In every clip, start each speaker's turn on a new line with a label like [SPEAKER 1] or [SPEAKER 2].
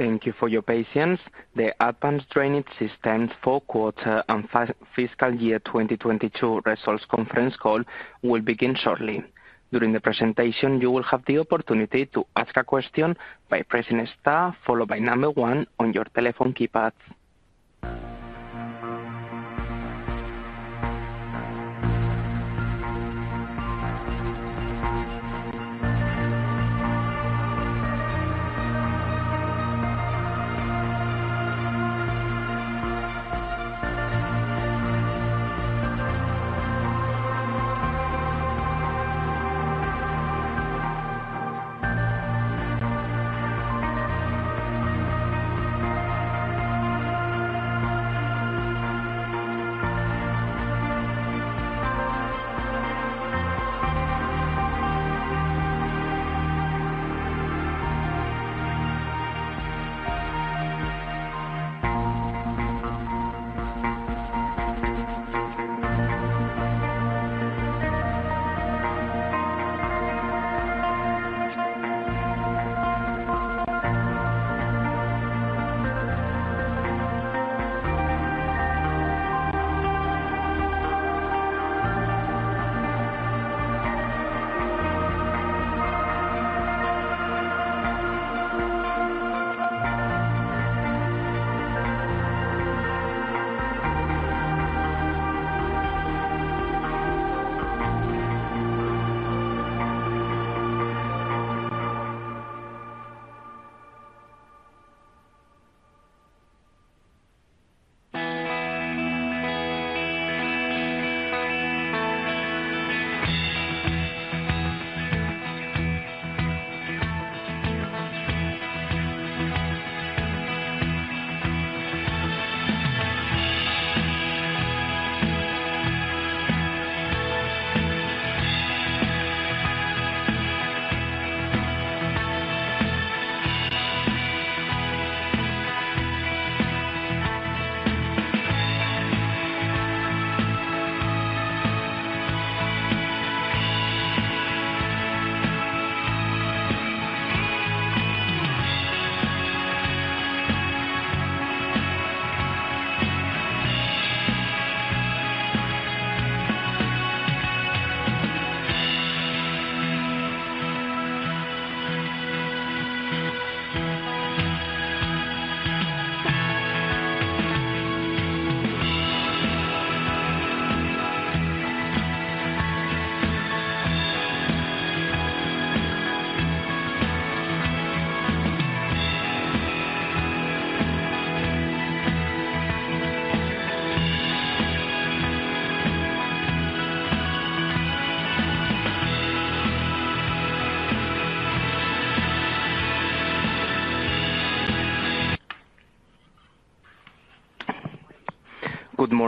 [SPEAKER 1] Thank you for your patience. The Advanced Drainage Systems fourth quarter and fiscal year 2022 results conference call will begin shortly. During the presentation, you will have the opportunity to ask a question by pressing star followed by number one on your telephone keypad.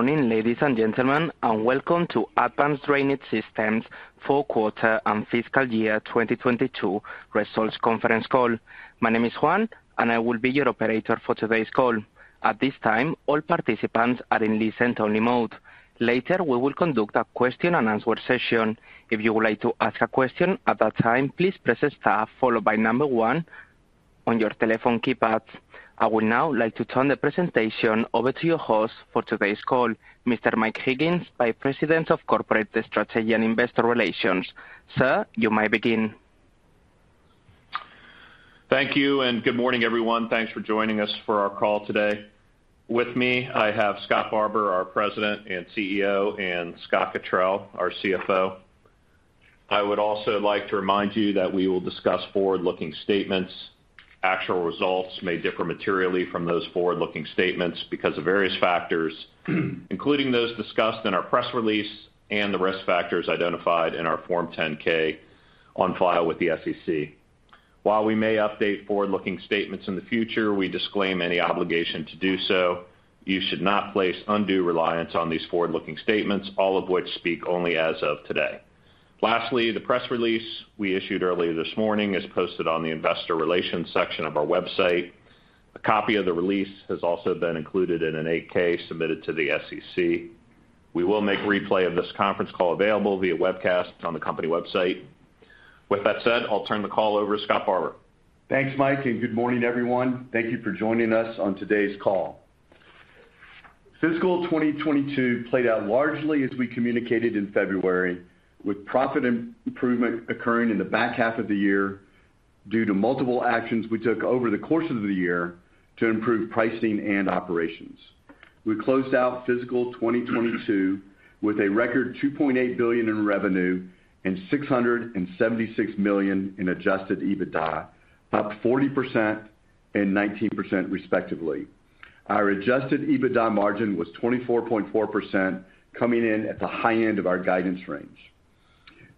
[SPEAKER 1] Good morning, ladies and gentlemen, and welcome to Advanced Drainage Systems fourth quarter and fiscal year 2022 results conference call. My name is Juan, and I will be your operator for today's call. At this time, all participants are in listen-only mode. Later, we will conduct a question-and-answer session. If you would like to ask a question at that time, please press star followed by number one on your telephone keypad. I would now like to turn the presentation over to your host for today's call, Mr. Mike Higgins, Vice President of Corporate Strategy and Investor Relations. Sir, you may begin.
[SPEAKER 2] Thank you, and good morning, everyone. Thanks for joining us for our call today. With me, I have Scott Barbour, our President and CEO, and Scott Cottrill, our CFO. I would also like to remind you that we will discuss forward-looking statements. Actual results may differ materially from those forward-looking statements because of various factors, including those discussed in our press release and the risk factors identified in our Form 10-K on file with the SEC. While we may update forward-looking statements in the future, we disclaim any obligation to do so. You should not place undue reliance on these forward-looking statements, all of which speak only as of today. Lastly, the press release we issued earlier this morning is posted on the investor relations section of our website. A copy of the release has also been included in an 8-K submitted to the SEC. We will make replay of this conference call available via webcast on the company website. With that said, I'll turn the call over to Scott Barbour.
[SPEAKER 3] Thanks, Mike, and good morning, everyone. Thank you for joining us on today's call. Fiscal 2022 played out largely as we communicated in February, with profit improvement occurring in the back half of the year due to multiple actions we took over the course of the year to improve pricing and operations. We closed out fiscal 2022 with a record $2.8 billion in revenue and $676 million in Adjusted EBITDA, up 40% and 19% respectively. Our Adjusted EBITDA margin was 24.4% coming in at the high end of our guidance range.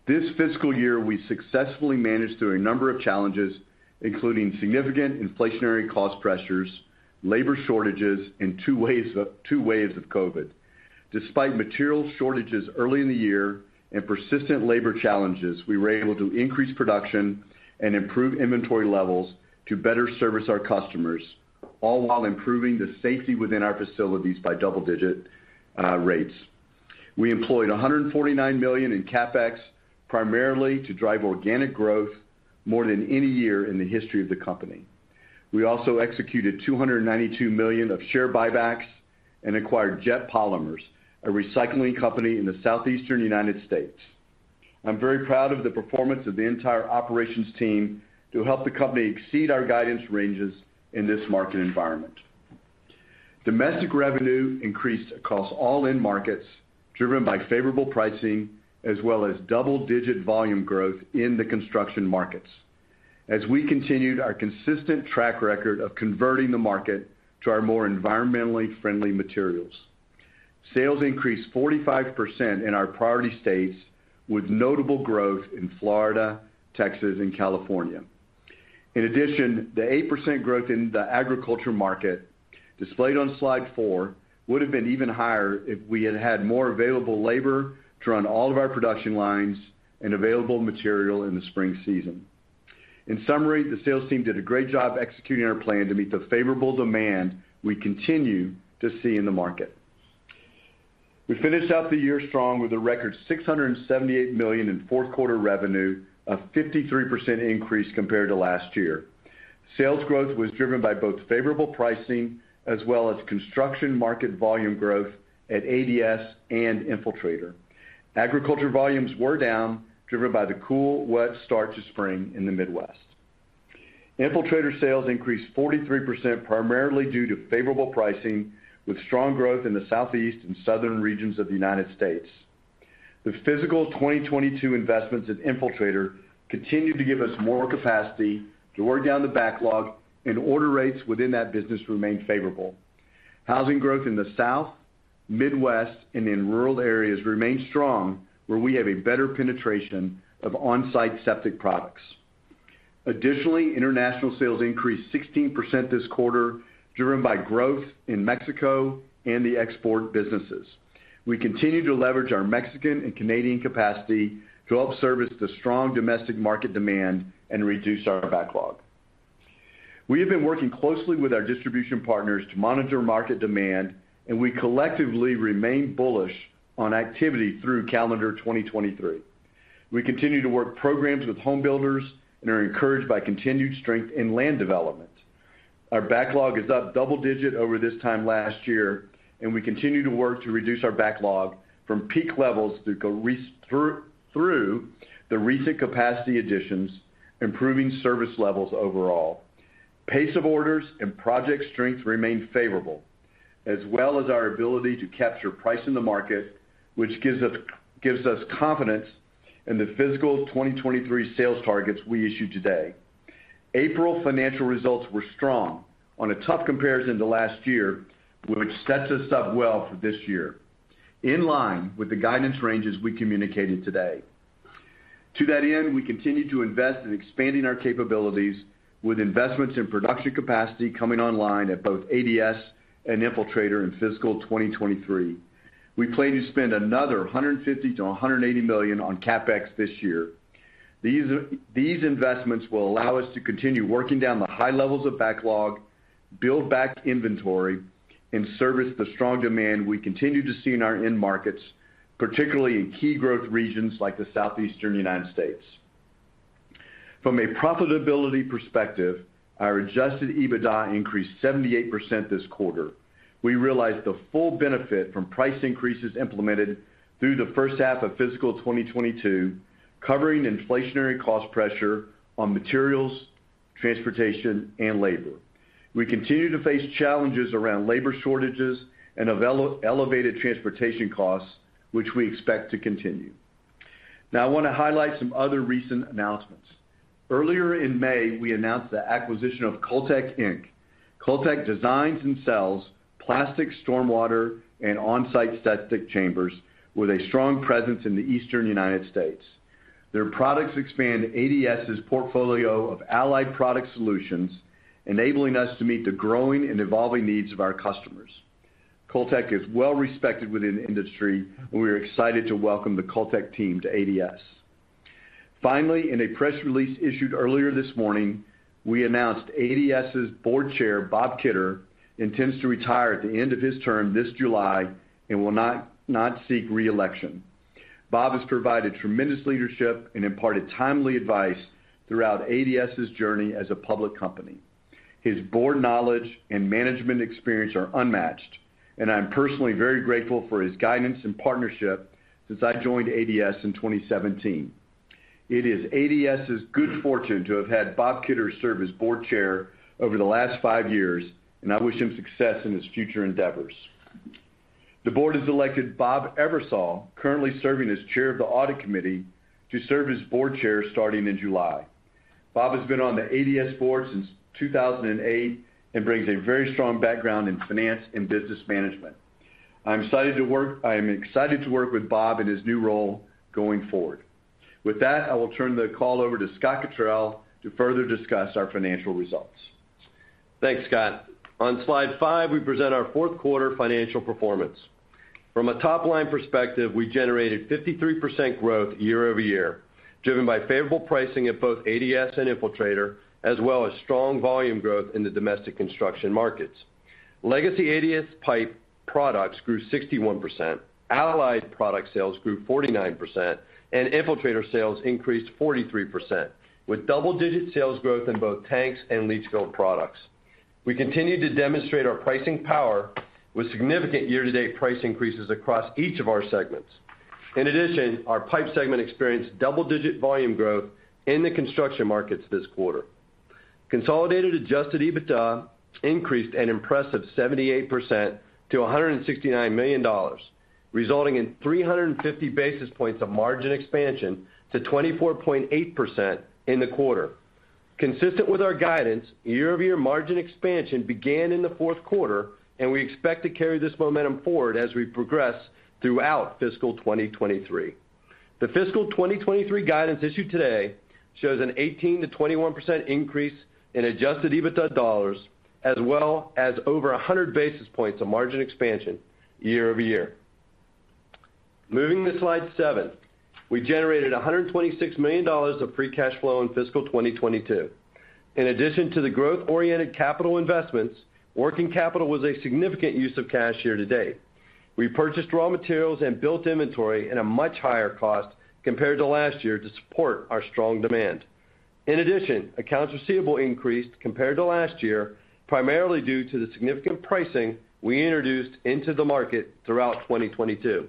[SPEAKER 3] This fiscal year, we successfully managed through a number of challenges, including significant inflationary cost pressures, labor shortages, and two waves of COVID. Despite material shortages early in the year and persistent labor challenges, we were able to increase production and improve inventory levels to better service our customers, all while improving the safety within our facilities by double-digit rates. We employed $149 million in CapEx, primarily to drive organic growth more than any year in the history of the company. We also executed $292 million of share buybacks and acquired Jet Polymers, a recycling company in the Southeastern United States. I'm very proud of the performance of the entire operations team to help the company exceed our guidance ranges in this market environment. Domestic revenue increased across all end markets, driven by favorable pricing as well as double-digit volume growth in the construction markets. As we continued our consistent track record of converting the market to our more environmentally friendly materials. Sales increased 45% in our priority states, with notable growth in Florida, Texas, and California. In addition, the 8% growth in the agriculture market displayed on slide 4 would have been even higher if we had had more available labor to run all of our production lines and available material in the spring season. In summary, the sales team did a great job executing our plan to meet the favorable demand we continue to see in the market. We finished out the year strong with a record $678 million in fourth quarter revenue, a 53% increase compared to last year. Sales growth was driven by both favorable pricing as well as construction market volume growth at ADS and Infiltrator. Agriculture volumes were down, driven by the cool, wet start to spring in the Midwest. Infiltrator sales increased 43%, primarily due to favorable pricing with strong growth in the Southeast and Southern regions of the United States. The fiscal 2022 investments at Infiltrator continued to give us more capacity to work down the backlog and order rates within that business remained favorable. Housing growth in the South, Midwest, and in rural areas remained strong, where we have a better penetration of on-site septic products. Additionally, international sales increased 16% this quarter, driven by growth in Mexico and the export businesses. We continue to leverage our Mexican and Canadian capacity to help service the strong domestic market demand and reduce our backlog. We have been working closely with our distribution partners to monitor market demand, and we collectively remain bullish on activity through calendar 2023. We continue to work programs with home builders and are encouraged by continued strength in land development. Our backlog is up double-digit over this time last year, and we continue to work to reduce our backlog from peak levels through the recent capacity additions, improving service levels overall. Pace of orders and project strength remain favorable, as well as our ability to capture price in the market, which gives us confidence in the fiscal 2023 sales targets we issued today. April financial results were strong on a tough comparison to last year, which sets us up well for this year, in line with the guidance ranges we communicated today. To that end, we continue to invest in expanding our capabilities with investments in production capacity coming online at both ADS and Infiltrator in fiscal 2023. We plan to spend another $150 million-$180 million on CapEx this year. These investments will allow us to continue working down the high levels of backlog, build back inventory, and service the strong demand we continue to see in our end markets, particularly in key growth regions like the Southeastern United States. From a profitability perspective, our Adjusted EBITDA increased 78% this quarter. We realized the full benefit from price increases implemented through the first half of fiscal 2022, covering inflationary cost pressure on materials, transportation, and labor. We continue to face challenges around labor shortages and elevated transportation costs, which we expect to continue. Now, I wanna highlight some other recent announcements. Earlier in May, we announced the acquisition of Cultec Inc. Cultec designs and sells plastic stormwater and on-site septic chambers with a strong presence in the Eastern United States. Their products expand ADS's portfolio of allied product solutions, enabling us to meet the growing and evolving needs of our customers. Cultec is well-respected within the industry, and we are excited to welcome the Cultec team to ADS. Finally, in a press release issued earlier this morning, we announced ADS's Board Chair, Bob Kidder, intends to retire at the end of his term this July and will not seek re-election. Bob has provided tremendous leadership and imparted timely advice throughout ADS's journey as a public company. His board knowledge and management experience are unmatched, and I'm personally very grateful for his guidance and partnership since I joined ADS in 2017. It is ADS's good fortune to have had Bob Kidder serve as Board Chair over the last five years, and I wish him success in his future endeavors. The board has elected Robert Eversole, currently serving as chair of the audit committee, to serve as board chair starting in July. Bob has been on the ADS board since 2008 and brings a very strong background in finance and business management. I am excited to work with Bob in his new role going forward. With that, I will turn the call over to Scott Cottrill to further discuss our financial results.
[SPEAKER 4] Thanks, Scott. On slide 5, we present our fourth quarter financial performance. From a top-line perspective, we generated 53% growth year-over-year, driven by favorable pricing at both ADS and Infiltrator, as well as strong volume growth in the domestic construction markets. Legacy ADS pipe products grew 61%. Allied product sales grew 49%, and Infiltrator sales increased 43% with double-digit sales growth in both tanks and leach field products. We continue to demonstrate our pricing power with significant year-to-date price increases across each of our segments. In addition, our pipe segment experienced double-digit volume growth in the construction markets this quarter. Consolidated Adjusted EBITDA increased an impressive 78% to $169 million, resulting in 350 basis points of margin expansion to 24.8% in the quarter. Consistent with our guidance, year-over-year margin expansion began in the fourth quarter, and we expect to carry this momentum forward as we progress throughout fiscal 2023. The fiscal 2023 guidance issued today shows an 18%-21% increase in Adjusted EBITDA dollars, as well as over 100 basis points of margin expansion year-over-year. Moving to slide 7. We generated $126 million of free cash flow in fiscal 2022. In addition to the growth-oriented capital investments, working capital was a significant use of cash year-to-date. We purchased raw materials and built inventory at a much higher cost compared to last year to support our strong demand. In addition, accounts receivable increased compared to last year, primarily due to the significant pricing we introduced into the market throughout 2022.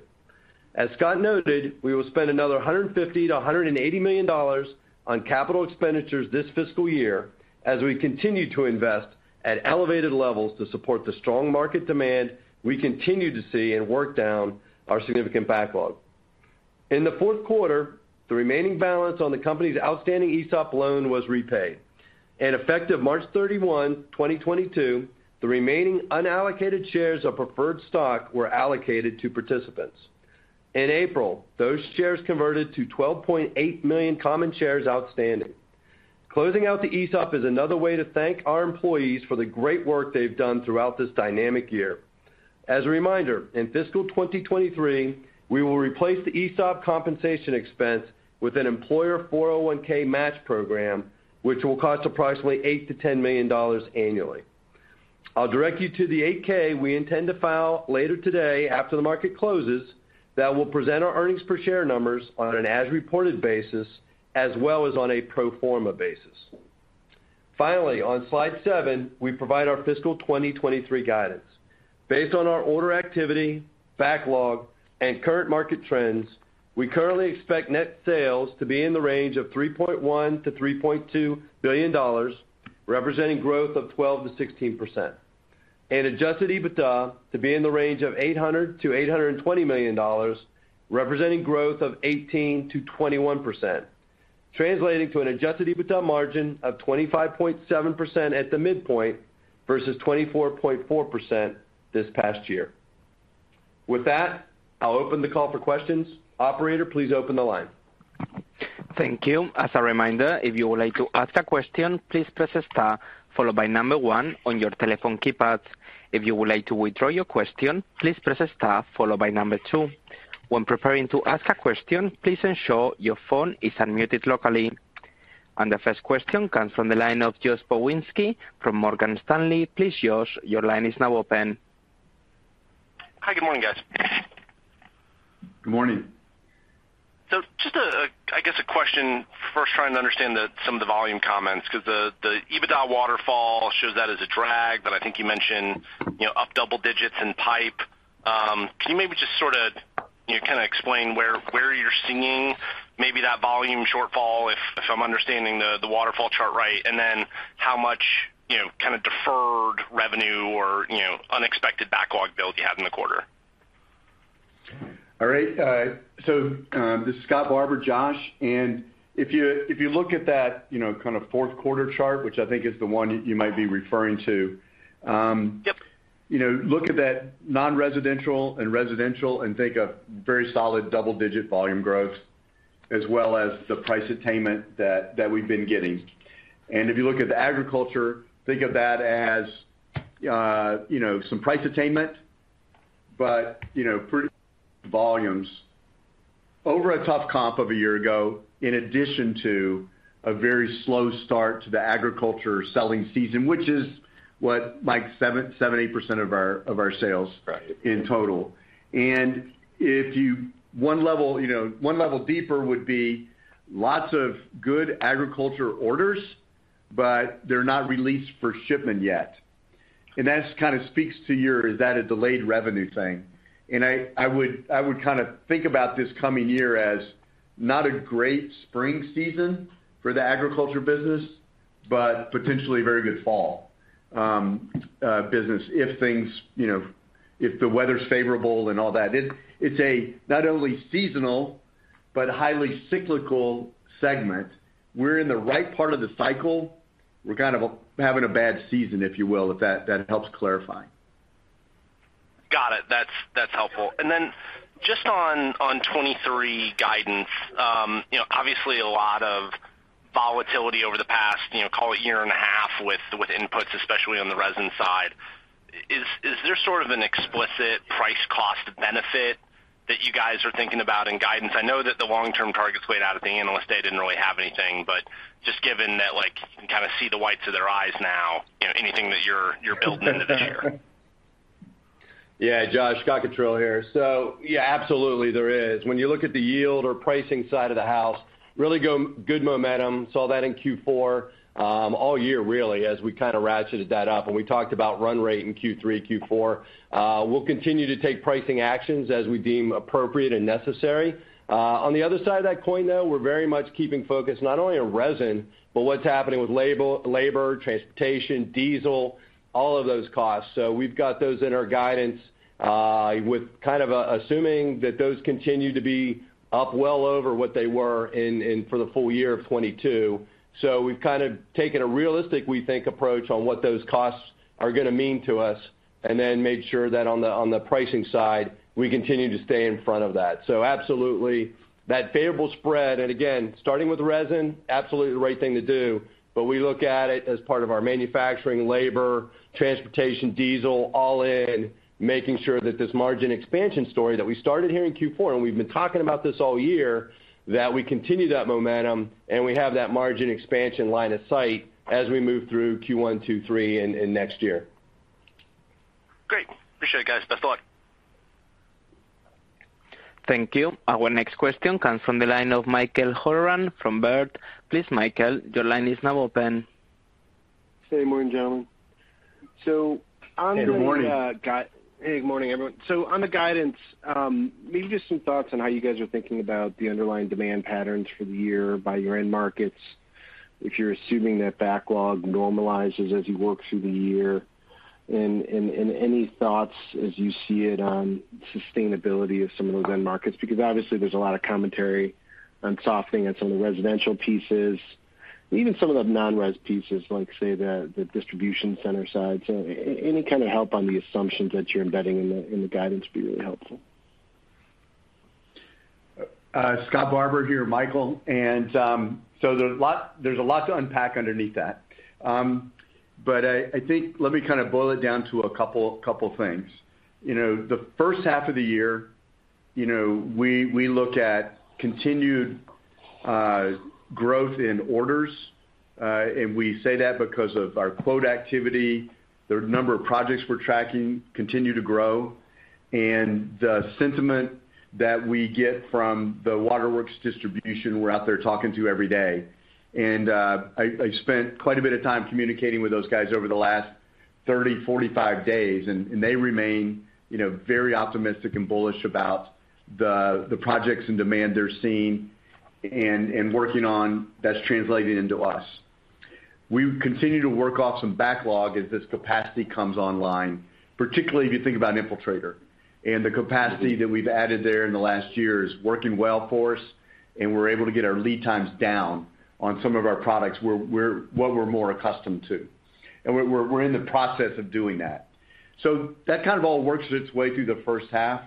[SPEAKER 4] As Scott noted, we will spend another $150-$180 million on capital expenditures this fiscal year as we continue to invest at elevated levels to support the strong market demand we continue to see and work down our significant backlog. In the fourth quarter, the remaining balance on the company's outstanding ESOP loan was repaid. Effective March 31, 2022, the remaining unallocated shares of preferred stock were allocated to participants. In April, those shares converted to 12.8 million common shares outstanding. Closing out the ESOP is another way to thank our employees for the great work they've done throughout this dynamic year. As a reminder, in fiscal 2023, we will replace the ESOP compensation expense with an employer 401(k) match program, which will cost approximately $8-$10 million annually. I'll direct you to the 8-K we intend to file later today after the market closes that will present our earnings per share numbers on an as-reported basis as well as on a pro forma basis. Finally, on slide 7, we provide our fiscal 2023 guidance. Based on our order activity, backlog, and current market trends, we currently expect net sales to be in the range of $3.1 billion-$3.2 billion, representing growth of 12%-16%, and adjusted EBITDA to be in the range of $800 million-$820 million, representing growth of 18%-21%, translating to an adjusted EBITDA margin of 25.7% at the midpoint versus 24.4% this past year. With that, I'll open the call for questions. Operator, please open the line.
[SPEAKER 1] Thank you. As a reminder, if you would like to ask a question, please press star followed by 1 on your telephone keypad. If you would like to withdraw your question, please press star followed by 2. When preparing to ask a question, please ensure your phone is unmuted locally. The first question comes from the line of Josh Pokrzywinski from Morgan Stanley. Please, Josh, your line is now open.
[SPEAKER 5] Hi, good morning, guys.
[SPEAKER 4] Good morning.
[SPEAKER 5] Just a question first trying to understand some of the volume comments because the EBITDA waterfall shows that as a drag, but I think you mentioned, you know, up double digits in pipe. Can you maybe just sorta, you know, kinda explain where you're seeing maybe that volume shortfall, if I'm understanding the waterfall chart right? And then how much, you know, kind of deferred revenue or, you know, unexpected backlog build you had in the quarter?
[SPEAKER 3] All right. This is Scott Barbour, Josh. If you look at that, you know, kind of fourth quarter chart, which I think is the one you might be referring to.
[SPEAKER 5] Yep.
[SPEAKER 3] You know, look at that non-residential and residential and think of very solid double-digit volume growth as well as the price attainment that we've been getting. If you look at the agriculture, think of that as, you know, some price attainment, but, you know, pretty volumes over a tough comp of a year ago in addition to a very slow start to the agriculture selling season, which is what? Like 70% of our sales.
[SPEAKER 5] Right.
[SPEAKER 4] In total. One level, you know, one level deeper would be lots of good agriculture orders, but they're not released for shipment yet. That kind of speaks to your, is that a delayed revenue thing? I would kind of think about this coming year as not a great spring season for the agriculture business, but potentially a very good fall business if things, you know, if the weather's favorable and all that. It's not only seasonal, but highly cyclical segment. We're in the right part of the cycle. We're kind of having a bad season, if you will, if that helps clarify.
[SPEAKER 5] Got it. That's helpful. Then just on 2023 guidance, you know, obviously a lot of volatility over the past, you know, call it year and a half with inputs, especially on the resin side. Is there sort of an explicit price cost benefit that you guys are thinking about in guidance? I know that the long-term targets laid out at the analyst day didn't really have anything, but just given that, like, you can kind of see the whites of their eyes now, you know, anything that you're building into there.
[SPEAKER 4] Yeah, Josh, Scott Cottrill here. Yeah, absolutely there is. When you look at the yield or pricing side of the house, really good momentum. Saw that in Q4, all year, really, as we kind of ratcheted that up. We talked about run rate in Q3, Q4. We'll continue to take pricing actions as we deem appropriate and necessary. On the other side of that coin, though, we're very much keeping focused not only on resin, but what's happening with labor, transportation, diesel, all of those costs. We've got those in our guidance, with assuming that those continue to be up well over what they were in for the full year of 2022. We've kind of taken a realistic, we think, approach on what those costs are gonna mean to us, and then made sure that on the pricing side, we continue to stay in front of that. Absolutely. That favorable spread, and again, starting with resin, absolutely the right thing to do. We look at it as part of our manufacturing, labor, transportation, diesel, all in, making sure that this margin expansion story that we started here in Q4, and we've been talking about this all year, that we continue that momentum, and we have that margin expansion line of sight as we move through Q1, 2, 3, in next year.
[SPEAKER 5] Great. Appreciate it, guys. Best of luck.
[SPEAKER 1] Thank you. Our next question comes from the line of Michael Halloran from Baird. Please, Michael, your line is now open.
[SPEAKER 6] Good morning, gentlemen.
[SPEAKER 3] Good morning.
[SPEAKER 6] Hey, good morning, everyone. On the guidance, maybe just some thoughts on how you guys are thinking about the underlying demand patterns for the year by your end markets, if you're assuming that backlog normalizes as you work through the year. Any thoughts as you see it on sustainability of some of those end markets, because obviously, there's a lot of commentary on softening on some of the residential pieces, even some of the non-res pieces, like, say, the distribution center side. Any kind of help on the assumptions that you're embedding in the guidance would be really helpful.
[SPEAKER 3] Scott Barbour here, Michael. There's a lot to unpack underneath that. But I think let me kind of boil it down to a couple things. You know, the first half of the year, you know, we look at continued growth in orders. We say that because of our quote activity, the number of projects we're tracking continue to grow, and the sentiment that we get from the waterworks distributors we're out there talking to every day. I spent quite a bit of time communicating with those guys over the last 30-45 days, and they remain, you know, very optimistic and bullish about the projects and demand they're seeing and working on that's translating into us. We continue to work off some backlog as this capacity comes online, particularly if you think about Infiltrator. The capacity that we've added there in the last year is working well for us, and we're able to get our lead times down on some of our products to what we're more accustomed to. We're in the process of doing that. That kind of all works its way through the first half.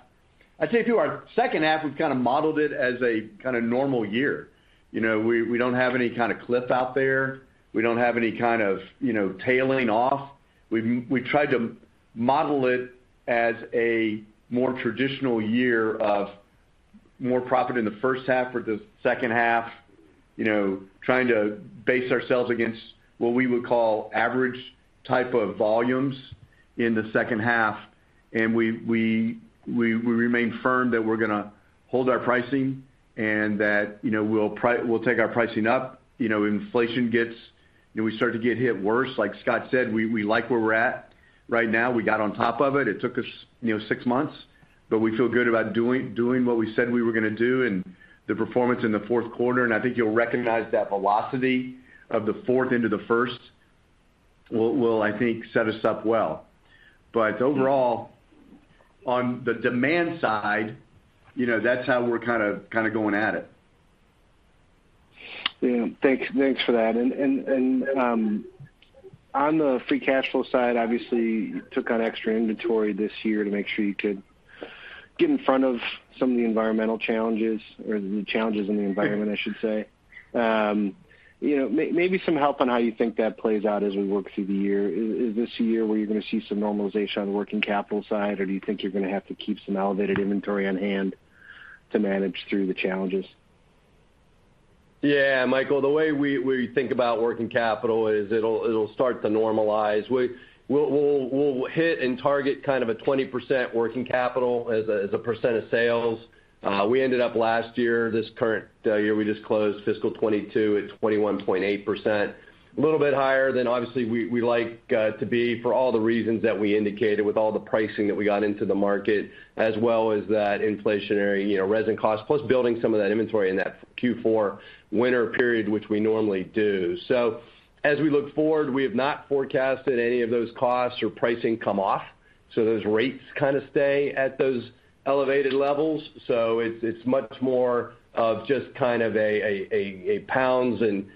[SPEAKER 3] I'd say, through our second half, we've kind of modeled it as a kind of normal year. You know, we don't have any kind of cliff out there. We don't have any kind of, you know, tailing off. We tried to model it as a more traditional year of more profit in the first half or the second half, you know, trying to base ourselves against what we would call average type of volumes in the second half. We remain firm that we're gonna hold our pricing and that, you know, we'll take our pricing up. You know, inflation gets. You know, we start to get hit worse. Like Scott said, we like where we're at right now. We got on top of it. It took us, you know, six months, but we feel good about doing what we said we were gonna do and the performance in the fourth quarter. I think you'll recognize that velocity of the fourth into the first will, I think, set us up well. Overall, on the demand side, you know, that's how we're kind of going at it.
[SPEAKER 6] Yeah. Thanks for that. On the free cash flow side, obviously, you took on extra inventory this year to make sure you could get in front of some of the environmental challenges or the challenges in the environment, I should say. You know, maybe some help on how you think that plays out as we work through the year. Is this a year where you're gonna see some normalization on the working capital side, or do you think you're gonna have to keep some elevated inventory on hand to manage through the challenges?
[SPEAKER 4] Yeah, Michael, the way we think about working capital is it'll start to normalize. We'll hit and target kind of a 20% working capital as a percent of sales. We ended up last year, this current year we just closed, fiscal 2022, at 21.8%. A little bit higher than obviously we like to be for all the reasons that we indicated with all the pricing that we got into the market, as well as that inflationary, you know, resin cost, plus building some of that inventory in that Q4 winter period, which we normally do. As we look forward, we have not forecasted any of those costs or pricing come off, so those rates kind of stay at those elevated levels.
[SPEAKER 3] It's much more of just kind of a pounds and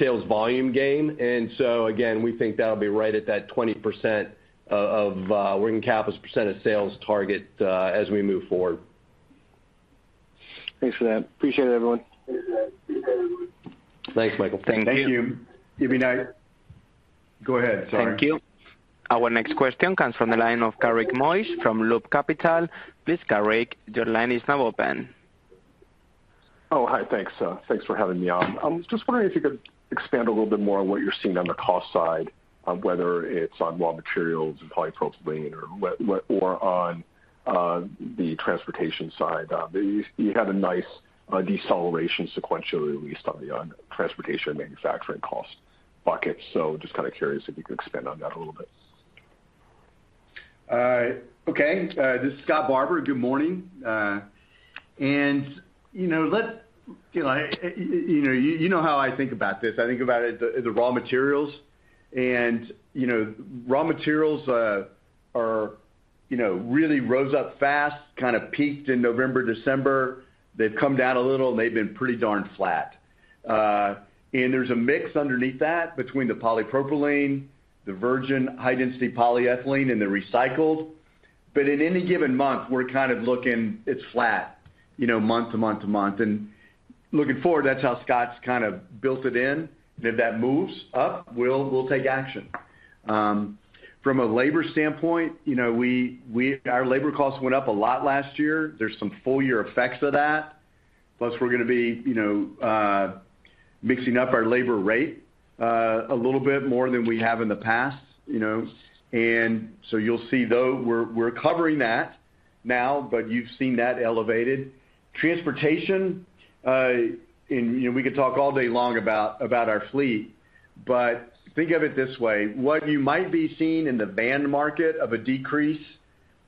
[SPEAKER 3] sales volume gain. Again, we think that'll be right at that 20% of working capital as a percent of sales target, as we move forward.
[SPEAKER 6] Thanks for that. Appreciate it, everyone.
[SPEAKER 4] Thanks, Michael.
[SPEAKER 6] Thank you.
[SPEAKER 3] Thank you. Go ahead. Sorry.
[SPEAKER 1] Thank you. Our next question comes from the line of Garik Shmois from Loop Capital. Please, Garik, your line is now open.
[SPEAKER 7] Thanks for having me on. I was just wondering if you could expand a little bit more on what you're seeing on the cost side, whether it's on raw materials and polypropylene or what or on the transportation side. You had a nice deceleration sequentially, at least on the transportation and manufacturing cost bucket. Just kind of curious if you could expand on that a little bit.
[SPEAKER 3] This is Scott Barbour. Good morning. You know how I think about this. I think about it, the raw materials, you know, really rose up fast, kind of peaked in November, December. They've come down a little, and they've been pretty darn flat. There's a mix underneath that between the polypropylene, the virgin high-density polyethylene and the recycled. In any given month, we're kind of looking, it's flat, you know, month to month. Looking forward, that's how Scott's kind of built it in. If that moves up, we'll take action. From a labor standpoint, you know, our labor costs went up a lot last year. There's some full year effects of that. We're gonna be, you know, mixing up our labor rate a little bit more than we have in the past, you know. You'll see though, we're covering that now, but you've seen that elevated. Transportation and, you know, we could talk all day long about our fleet. Think of it this way, what you might be seeing in the van market of a decrease,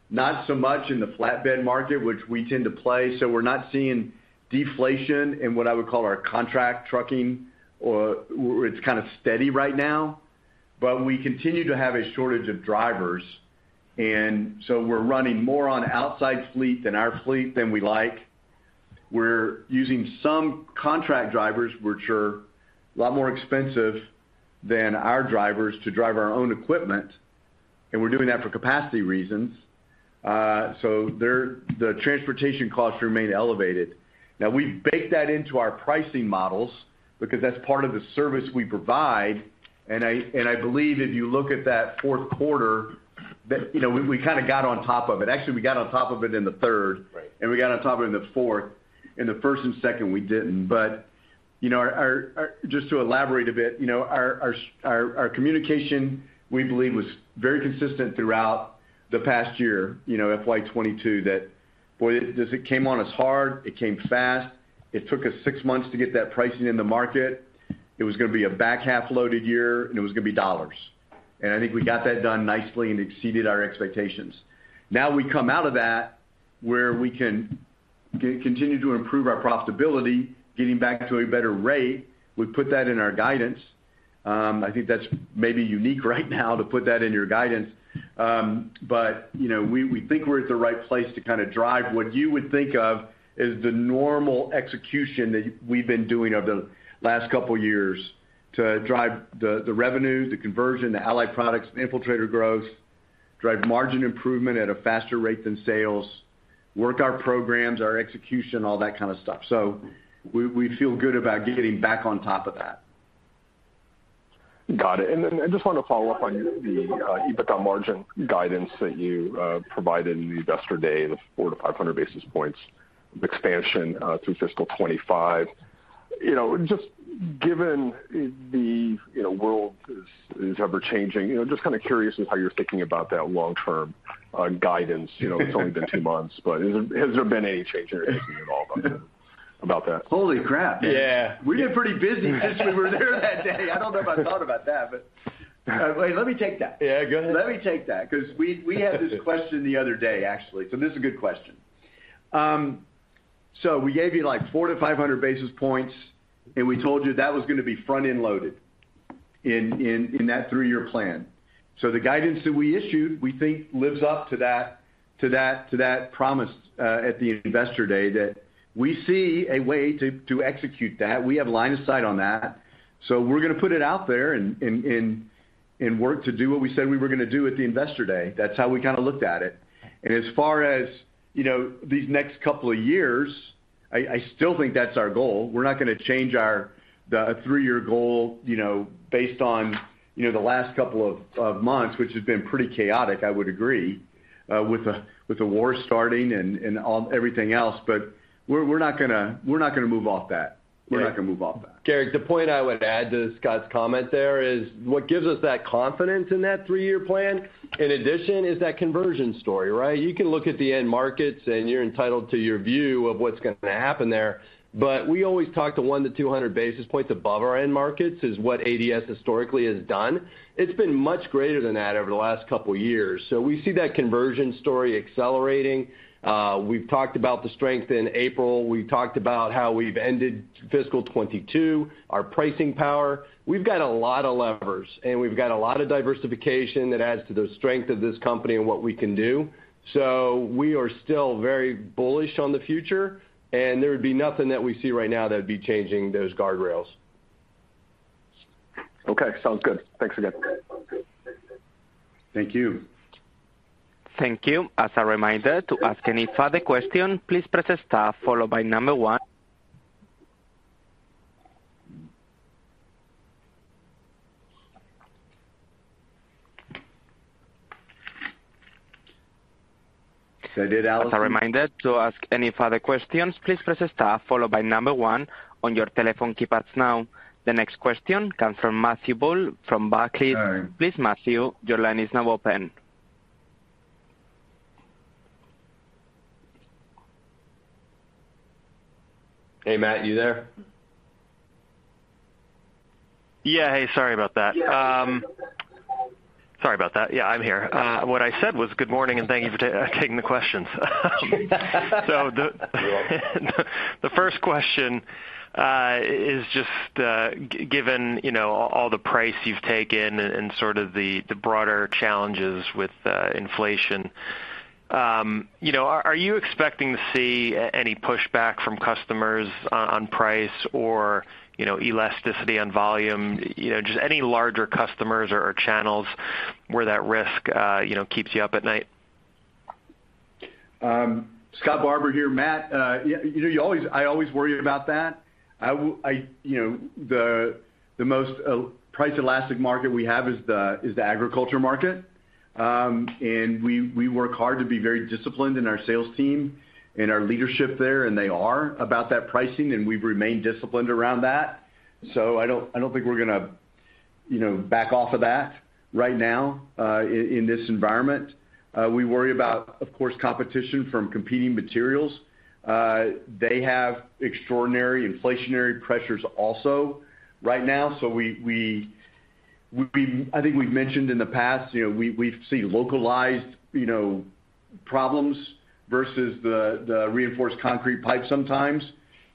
[SPEAKER 3] not so much in the flatbed market, which we tend to play. We're not seeing deflation in what I would call our contract trucking, or it's kind of steady right now. We continue to have a shortage of drivers, and so we're running more on outside fleet than our fleet than we like. We're using some contract drivers, which are a lot more expensive than our drivers to drive our own equipment, and we're doing that for capacity reasons. The transportation costs remain elevated. Now we bake that into our pricing models because that's part of the service we provide. I believe if you look at that fourth quarter that, you know, we kind of got on top of it. Actually, we got on top of it in the third.
[SPEAKER 4] Right.
[SPEAKER 3] We got on top of it in the fourth. In the first and second, we didn't. You know, our communication, we believe, was very consistent throughout the past year, you know, FY 2022, that, boy, it just, it came on us hard. It came fast. It took us six months to get that pricing in the market. It was gonna be a back half loaded year, and it was gonna be dollars. I think we got that done nicely and exceeded our expectations. Now we come out of that where we can continue to improve our profitability, getting back to a better rate. We put that in our guidance. I think that's maybe unique right now to put that in your guidance. you know, we think we're at the right place to kind of drive what you would think of as the normal execution that we've been doing over the last couple years to drive the revenues, the conversion, the allied products, Infiltrator growth, drive margin improvement at a faster rate than sales, work our programs, our execution, all that kind of stuff. We feel good about getting back on top of that.
[SPEAKER 7] Got it. I just wanted to follow up on the EBITDA margin guidance that you provided in the Investor Day, the 400-500 basis points expansion through fiscal 25. You know, just given the world is ever-changing, you know, just kind of curious as to how you're thinking about that long term guidance. You know, it's only been two months, but has there been any change or anything at all about that?
[SPEAKER 3] Holy crap.
[SPEAKER 4] Yeah.
[SPEAKER 3] We've been pretty busy since we were there that day. I don't know if I thought about that, but wait, let me take that.
[SPEAKER 4] Yeah, go ahead.
[SPEAKER 3] Let me take that because we had this question the other day, actually. This is a good question. We gave you, like, 400-500 basis points, and we told you that was gonna be front-end loaded in that 3-year plan. The guidance that we issued, we think lives up to that promise at the Investor Day, that we see a way to execute that. We have line of sight on that. We're gonna put it out there and work to do what we said we were gonna do at the Investor Day. That's how we kind of looked at it. As far as, you know, these next couple of years, I still think that's our goal. We're not gonna change the three-year goal, you know, based on, you know, the last couple of months, which has been pretty chaotic, I would agree, with the war starting and everything else. We're not gonna move off that. We're not gonna move off that.
[SPEAKER 4] Garik, the point I would add to Scott's comment there is what gives us that confidence in that three-year plan, in addition, is that conversion story, right? You can look at the end markets and you're entitled to your view of what's gonna happen there. We always talk to 100-200 basis points above our end markets is what ADS historically has done. It's been much greater than that over the last couple years. We see that conversion story accelerating. We've talked about the strength in April. We've talked about how we've ended fiscal 2022, our pricing power. We've got a lot of levers, and we've got a lot of diversification that adds to the strength of this company and what we can do. We are still very bullish on the future, and there would be nothing that we see right now that would be changing those guardrails.
[SPEAKER 7] Okay, sounds good. Thanks again.
[SPEAKER 2] Thank you.
[SPEAKER 1] Thank you. As a reminder to ask any further question, please press star followed by number one.
[SPEAKER 2] Say that, Alison.
[SPEAKER 1] As a reminder to ask any further questions, please press star followed by number one on your telephone keypads now. The next question comes from Matthew Bouley from Barclays.
[SPEAKER 2] Sorry.
[SPEAKER 1] Please, Matthew, your line is now open.
[SPEAKER 2] Hey, Matt, you there?
[SPEAKER 8] Yeah. Hey, sorry about that. Sorry about that. Yeah, I'm here. What I said was good morning, and thank you for taking the questions.
[SPEAKER 2] You're welcome.
[SPEAKER 8] The first question is just given, you know, all the price you've taken and sort of the broader challenges with inflation, you know, are you expecting to see any pushback from customers on price or, you know, elasticity on volume? You know, just any larger customers or channels where that risk, you know, keeps you up at night?
[SPEAKER 3] Scott Barbour here. Matt, you know, I always worry about that. You know, the most price elastic market we have is the agriculture market. We work hard to be very disciplined in our sales team and our leadership there, and they are about that pricing, and we've remained disciplined around that. I don't think we're gonna, you know, back off of that right now, in this environment. We worry about, of course, competition from competing materials. They have extraordinary inflationary pressures also right now. I think we've mentioned in the past, you know, we've seen localized, you know, problems versus the reinforced concrete pipe sometimes.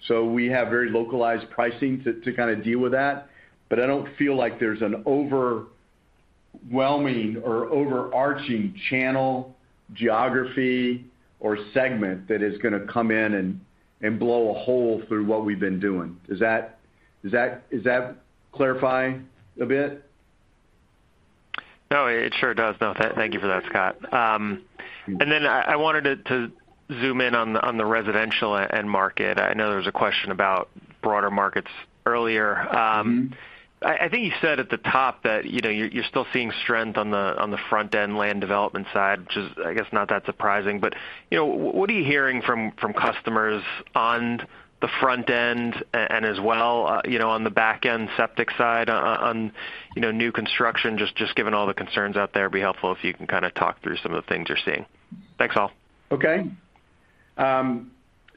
[SPEAKER 3] We have very localized pricing to kind of deal with that. I don't feel like there's an overwhelming or overarching channel, geography, or segment that is gonna come in and blow a hole through what we've been doing. Is that clarifying a bit?
[SPEAKER 8] No, it sure does. No. Thank you for that, Scott. I wanted to zoom in on the residential end market. I know there was a question about broader markets earlier.
[SPEAKER 3] Mm-hmm.
[SPEAKER 8] I think you said at the top that, you know, you're still seeing strength on the front end land development side, which is, I guess, not that surprising. You know, what are you hearing from customers on the front end and as well, you know, on the back end septic side on, you know, new construction? Just given all the concerns out there, it'd be helpful if you can kind of talk through some of the things you're seeing. Thanks, all.
[SPEAKER 3] Okay.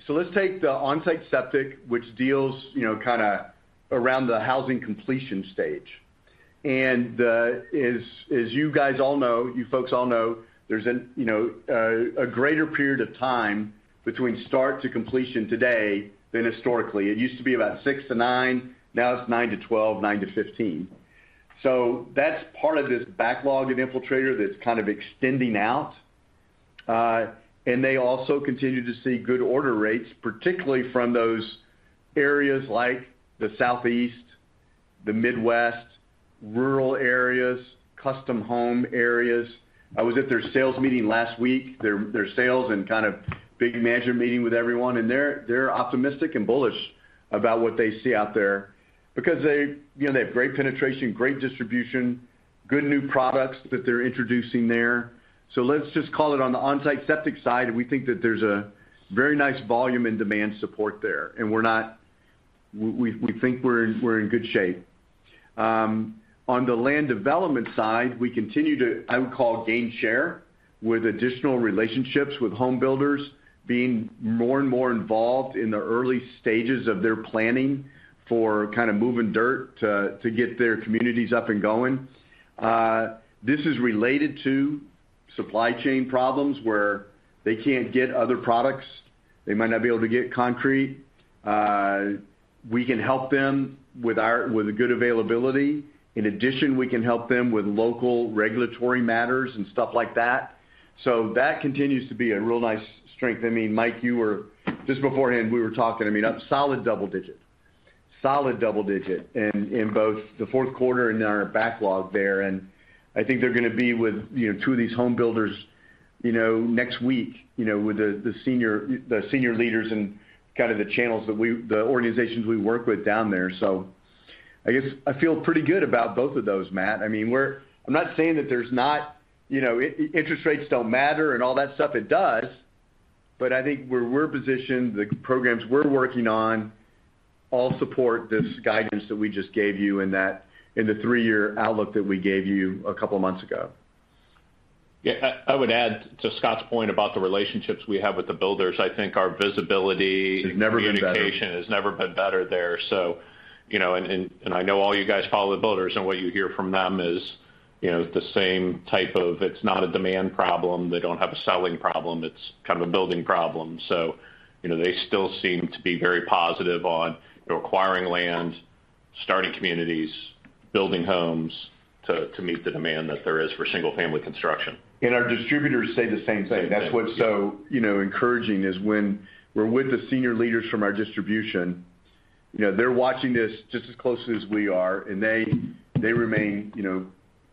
[SPEAKER 3] Let's take the onsite septic, which deals, you know, kinda around the housing completion stage. As you all know, there's a greater period of time between start to completion today than historically. It used to be about 6-9, now it's 9-12, 9-15. That's part of this backlog of Infiltrator that's kind of extending out. They also continue to see good order rates, particularly from those areas like the Southeast, the Midwest, rural areas, custom home areas. I was at their sales meeting last week, their sales and kind of big management meeting with everyone, and they're optimistic and bullish about what they see out there because they, you know, they have great penetration, great distribution, good new products that they're introducing there. Let's just call it on the onsite septic side, and we think that there's a very nice volume and demand support there. We think we're in good shape. On the land development side, we continue to, I would call, gain share with additional relationships with home builders being more and more involved in the early stages of their planning for kind of moving dirt to get their communities up and going. This is related to supply chain problems where they can't get other products. They might not be able to get concrete. We can help them with a good availability. In addition, we can help them with local regulatory matters and stuff like that. That continues to be a real nice strength. I mean, Mike, just beforehand, we were talking, I mean, a solid double-digit. Solid double-digit in both the fourth quarter and our backlog there. I think they're gonna be with, you know, 2 of these home builders, you know, next week, you know, with the senior leaders and kind of the channels, the organizations we work with down there. I guess I feel pretty good about both of those, Matt. I mean, I'm not saying that there's not, you know, interest rates don't matter and all that stuff. It does. I think where we're positioned, the programs we're working on all support this guidance that we just gave you in the three-year outlook that we gave you a couple months ago.
[SPEAKER 2] Yeah. I would add to Scott's point about the relationships we have with the builders. I think our visibility.
[SPEAKER 3] It's never been better.
[SPEAKER 2] Communication has never been better there. You know, and I know all you guys follow the builders and what you hear from them is, you know, the same type of, it's not a demand problem. They don't have a selling problem. It's kind of a building problem. You know, they still seem to be very positive on acquiring land, starting communities, building homes. To meet the demand that there is for single-family construction.
[SPEAKER 3] Our distributors say the same thing. That's what's so, you know, encouraging, is when we're with the senior leaders from our distribution, you know, they're watching this just as closely as we are, and they remain, you know,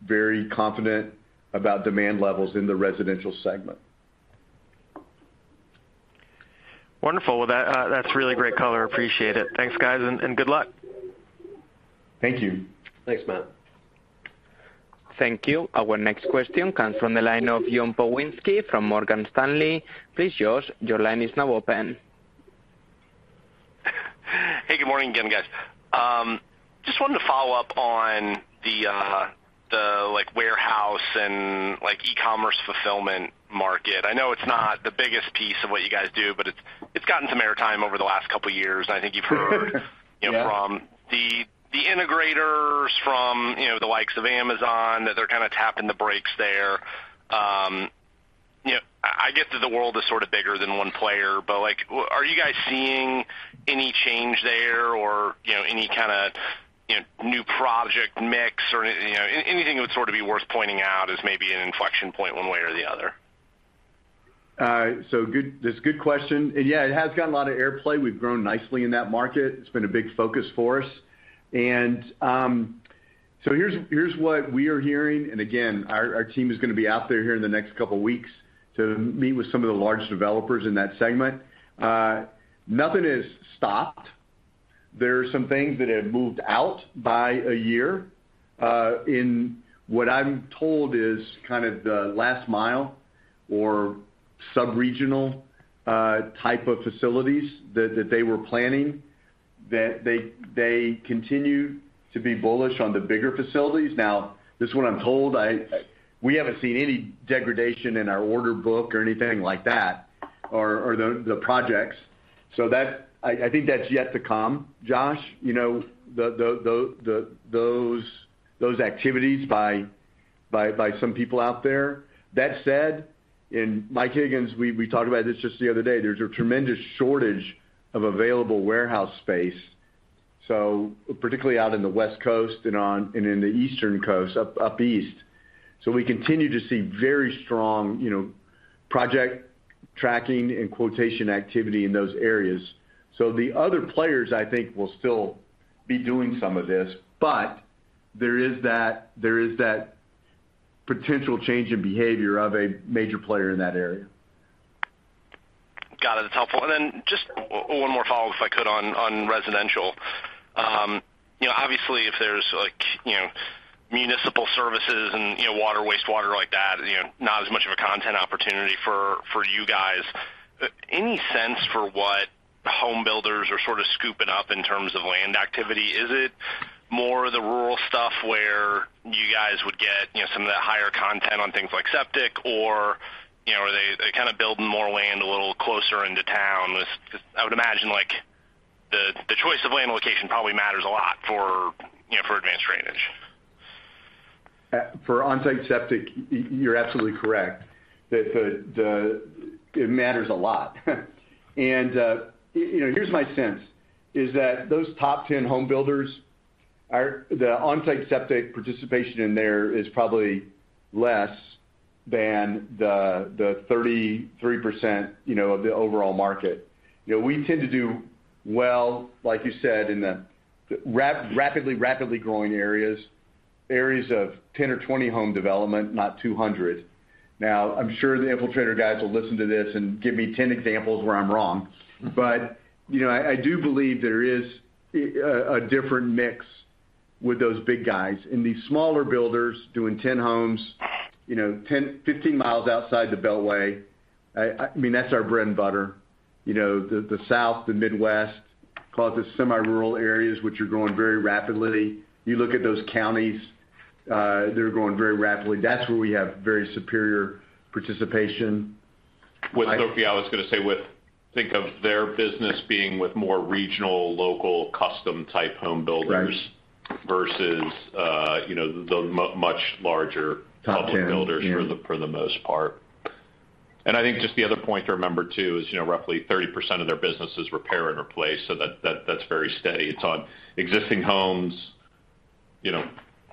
[SPEAKER 3] very confident about demand levels in the residential segment.
[SPEAKER 8] Wonderful. Well, that's really great color. Appreciate it. Thanks, guys, and good luck.
[SPEAKER 3] Thank you.
[SPEAKER 2] Thanks, Matt.
[SPEAKER 1] Thank you. Our next question comes from the line of Josh Pokrzywinski from Morgan Stanley. Please, Josh, your line is now open.
[SPEAKER 5] Hey, good morning again, guys. Just wanted to follow up on the like warehouse and like e-commerce fulfillment market. I know it's not the biggest piece of what you guys do, but it's gotten some airtime over the last couple years, and I think you've heard-
[SPEAKER 3] Yeah
[SPEAKER 5] From the integrators from, you know, the likes of Amazon, that they're kinda tapping the brakes there. You know, I get that the world is sort of bigger than one player, but, like, are you guys seeing any change there or, you know, any kinda, you know, new project mix or any, you know, anything that would sort of be worth pointing out as maybe an inflection point one way or the other?
[SPEAKER 3] That's a good question. Yeah, it has gotten a lot of air play. We've grown nicely in that market. It's been a big focus for us. Here's what we are hearing. Again, our team is gonna be out there here in the next couple weeks to meet with some of the large developers in that segment. Nothing has stopped. There are some things that have moved out by a year, in what I'm told is kind of the last mile or sub-regional type of facilities that they were planning that they continue to be bullish on the bigger facilities. Now, this is what I'm told. We haven't seen any degradation in our order book or anything like that or the projects. I think that's yet to come, Josh, you know, those activities by some people out there. That said, Mike Higgins, we talked about this just the other day. There's a tremendous shortage of available warehouse space, so particularly out in the West Coast and in the East Coast, up east. We continue to see very strong, you know, project tracking and quotation activity in those areas. The other players, I think, will still be doing some of this, but there is that potential change in behavior of a major player in that area.
[SPEAKER 5] Got it. That's helpful. Then just one more follow-up, if I could, on residential. You know, obviously, if there's like, you know, municipal services and, you know, water, wastewater like that, you know, not as much of a content opportunity for you guys. Any sense for what home builders are sort of scooping up in terms of land activity? Is it more the rural stuff where you guys would get, you know, some of that higher content on things like septic or, you know, are they kinda building more land a little closer into town? Just I would imagine, like, the choice of land location probably matters a lot for, you know, for Advanced Drainage.
[SPEAKER 3] For on-site septic, you're absolutely correct that it matters a lot. You know, here's my sense, is that those top 10 home builders are the on-site septic participation in there is probably less than the 33%, you know, of the overall market. You know, we tend to do well, like you said, in the rapidly growing areas of 10 or 20 home development, not 200. Now, I'm sure the Infiltrator guys will listen to this and give me 10 examples where I'm wrong. You know, I do believe there is a different mix with those big guys. These smaller builders doing 10 homes, you know, 10, 15 miles outside the beltway, I mean, that's our bread and butter. You know, the South, the Midwest, call it the semi-rural areas which are growing very rapidly. You look at those counties, they're growing very rapidly. That's where we have very superior participation.
[SPEAKER 2] With Infiltrator, think of their business being with more regional, local, custom type home builders.
[SPEAKER 3] Right
[SPEAKER 2] versus, you know, the much larger-
[SPEAKER 3] Top 10
[SPEAKER 2] Public builders for the most part. I think just the other point to remember, too, is, you know, roughly 30% of their business is repair and replace, so that's very steady. It's on existing homes.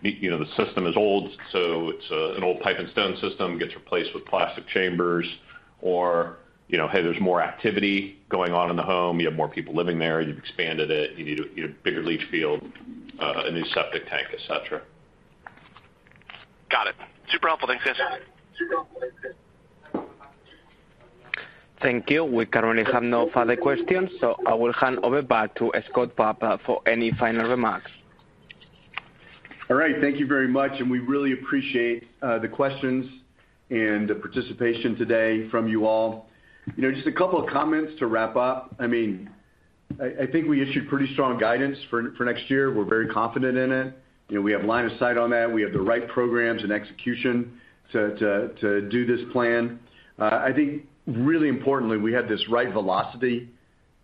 [SPEAKER 2] You know, the system is old, so it's an old pipe and stone system, gets replaced with plastic chambers or, you know, hey, there's more activity going on in the home. You have more people living there. You've expanded it. You need a bigger leach field, a new septic tank, et cetera.
[SPEAKER 5] Got it. Super helpful. Thanks, guys.
[SPEAKER 1] Thank you. We currently have no further questions, so I will hand over back to Scott Barbour for any final remarks.
[SPEAKER 3] All right. Thank you very much, and we really appreciate the questions and the participation today from you all. You know, just a couple of comments to wrap up. I mean, I think we issued pretty strong guidance for next year. We're very confident in it. You know, we have line of sight on that. We have the right programs and execution to do this plan. I think really importantly, we had this right velocity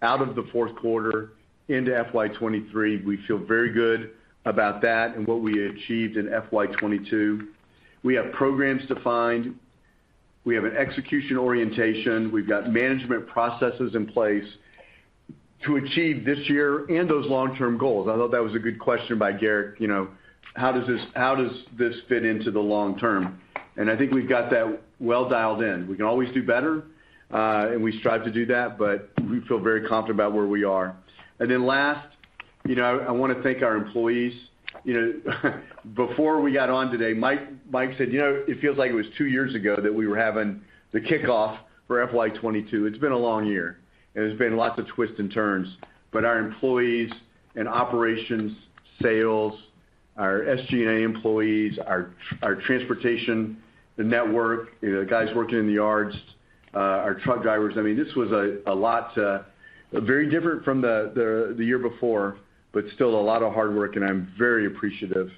[SPEAKER 3] out of the fourth quarter into FY 2023. We feel very good about that and what we achieved in FY 2022. We have programs defined. We have an execution orientation. We've got management processes in place to achieve this year and those long-term goals. I thought that was a good question by Garik Shmois, you know, how does this fit into the long term? I think we've got that well dialed in. We can always do better, and we strive to do that, but we feel very confident about where we are. Then last, you know, I wanna thank our employees. You know, before we got on today, Mike said, "You know, it feels like it was two years ago that we were having the kickoff for FY 2022." It's been a long year, and there's been lots of twists and turns, but our employees and operations, sales, our SG&A employees, our transportation, the network, you know, the guys working in the yards, our truck drivers. I mean, this was a lot to. Very different from the year before, but still a lot of hard work, and I'm very appreciative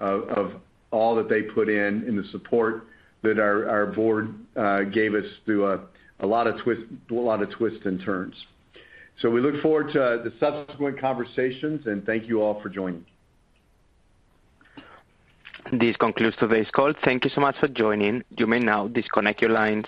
[SPEAKER 3] of all that they put in, and the support that our board gave us through a lot of twists and turns. We look forward to the subsequent conversations, and thank you all for joining.
[SPEAKER 1] This concludes today's call. Thank you so much for joining. You may now disconnect your lines.